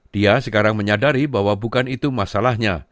dia sekarang menyadari bahwa bukan itu masalahnya